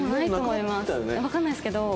わかんないですけど。